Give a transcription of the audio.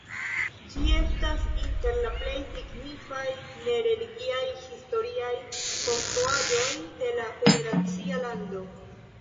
Ĝi estas inter la plej signifaj ne-religiaj historiaj konstruaĵoj de la federacia lando.